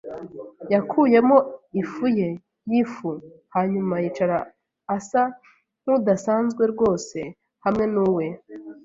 yakuyemo ifu ye yifu hanyuma yicara asa nkudasanzwe rwose hamwe nuwe